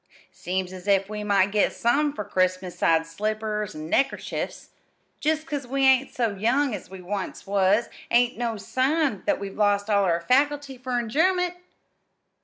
"Seems as if we might get somethin' for Christmas 'sides slippers an' neckerchiefs. Jest 'cause we ain't so young as we once was ain't no sign that we've lost all our faculty for enj'yment!"